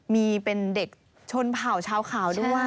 มีเป็นเด็กชนเผ่าชาวขาวด้วย